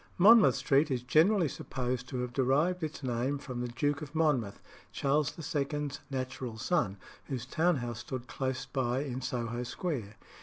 Monmouth Street is generally supposed to have derived its name from the Duke of Monmouth, Charles II.'s natural son, whose town house stood close by in Soho Square.